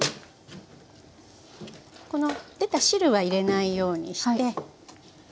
この出た汁は入れないようにして。